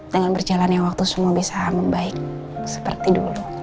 dengan berjalannya waktu semua bisa membaik seperti dulu